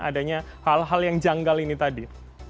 adanya hal hal yang janggal ini tadi